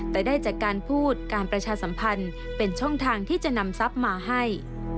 แต่ได้จากการพูดการประชาสัมพันธ์เป็นช่องทางที่จะนำทรัพย์มาให้